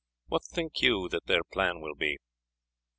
What think you that their plan will be?"